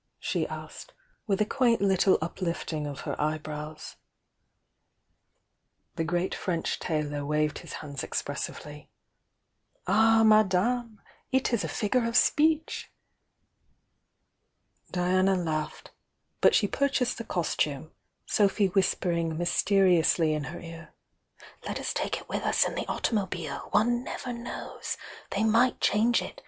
she asked, with a quaint little uplifting of her eyebrows. THE YOUNG DIANA 07 The great French tailor waved his hands expres sively. "All, Madame I It is a figure of speech!" Diana laughed, — but she purchased the costume, Sophy whispering mysteriously in her ear: "Let us take It with us in the automobile! One never knows! — they might change it!